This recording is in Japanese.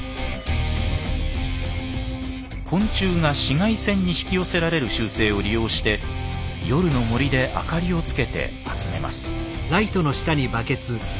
昆虫が紫外線に引き寄せられる習性を利用して夜の森で明かりをつけて集めます。